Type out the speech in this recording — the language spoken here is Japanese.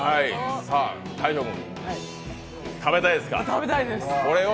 大昇君、食べたいですか？